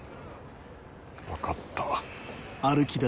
分かった。